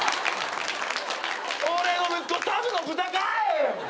俺の息子サブの豚かい！